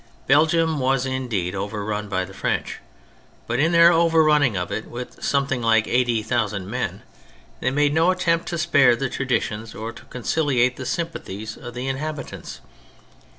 Belgium was, indeed, over run by the French, but in their over running of it with something like eighty thousand men, they made no attempt to spare the traditions or to conciliate the sympathies of the inhabit ants.